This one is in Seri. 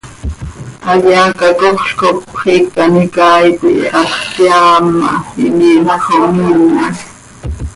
Hayaa cacoxl cop xiica an icaai coi halx teaam ma, imiimjc xo miime.